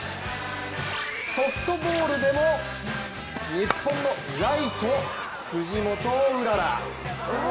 ソフトボールでも日本のライト・藤本麗。